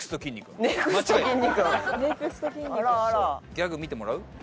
ギャグ見てもらう？